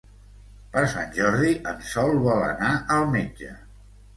Per Sant Jordi en Sol vol anar al metge.